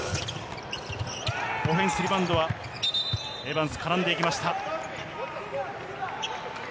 オフェンスリバウンドは、エヴァンス、絡んでいきました。